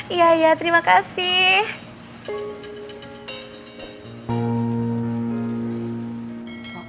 iya iya terima kasih